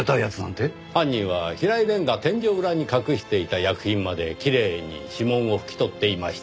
犯人は平井蓮が天井裏に隠していた薬品まできれいに指紋を拭き取っていました。